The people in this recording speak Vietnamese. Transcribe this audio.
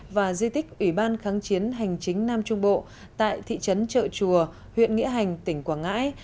và di tích ủy ban kháng chiến hành chính nam trung bộ tại thị trấn trợ chùa huyện nghĩa hành tỉnh quảng ngãi